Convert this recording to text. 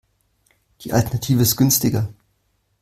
Die Alternative ist günstiger.